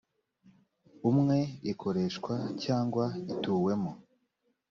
umwe ikoreshwa cyangwa ituwemo